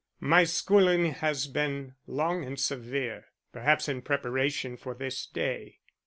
My schooling has been long and severe, perhaps in preparation for this day.